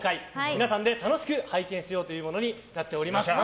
皆さんで楽しく拝見しようというものになっております。